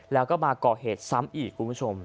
แล้วก็มาก่อเหตุซ้ำอีด